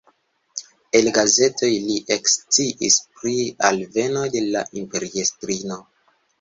El gazetoj li eksciis pri alveno de la imperiestrino.